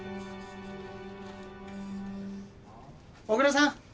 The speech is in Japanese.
小倉さん。